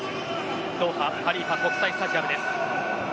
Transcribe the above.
ドーハハリーファ国際スタジアムです。